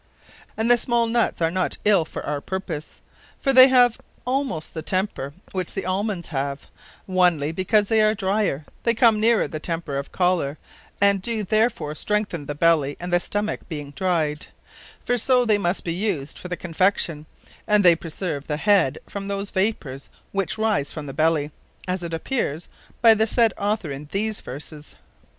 _ And the small Nuts are not ill for our purpose; for they have almost the temper, which the Almons have; onely because they are dryer, they come nearer the temper of Choler; and doe therefore strengthen the Belly, and the Stomacke, being dryed: for so they must be used for the Confection; and they preserve the head from those vapours, which rise from the Belly: as it appeares by the said Author in these Verses.